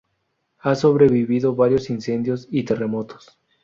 Ha sobrevivido varios incendios y terremotos.